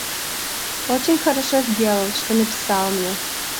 Очень хорошо сделал, что написал мне.